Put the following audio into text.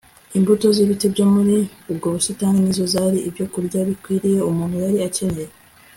imbuto z'ibiti byo muri ubwo busitani ni zo zari ibyokurya bikwiriye umuntu yari akeneye